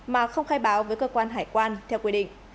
mà không khai báo với cơ quan hải quan theo quy định